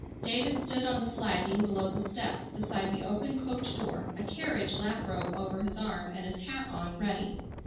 David stood on the flagging below the step beside the open coach door, a carriage lap robe over his arm and his hat on, ready.